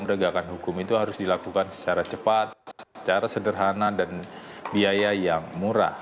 pada saat yang bergakang hukum itu harus dilakukan secara cepat secara sederhana dan biaya yang murah